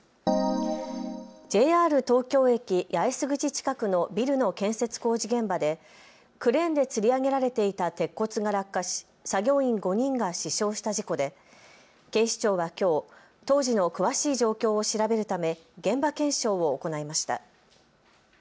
ＪＲ東京駅八重洲口近くのビルの建設工事現場でクレーンでつり上げられていた鉄骨が落下し作業員５人が死傷した事故で警視庁はきょう当時の詳しい状況を調べるため現場検証を行いました。